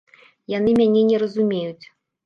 Яны мяне не разумеюць.